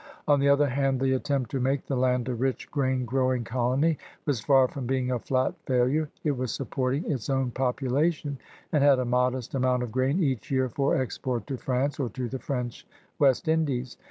On the other hand, the attempt to make the land a rich grain growing colony waa far from bemg a flat failure. It was supporting its own population, and had a modest amount of grain each year for export to France or to the French West Indies.